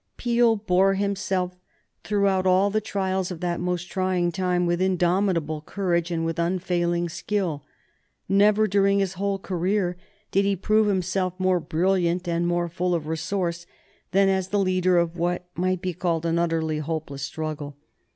Peel bore himself throughout all the trials of that most trying time with indomitable courage and with unfailing skill. Never during his whole career did he prove himself more brilliant and more full of resource than as the leader of what might be called an utterly hopeless struggle.